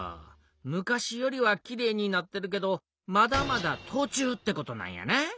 昔よりはきれいになってるけどまだまだとちゅうってことなんやな。